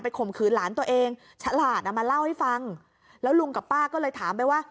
ข่มขืนหลานตัวเองฉลาดอ่ะมาเล่าให้ฟังแล้วลุงกับป้าก็เลยถามไปว่า